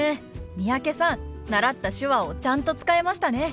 三宅さん習った手話をちゃんと使えましたね。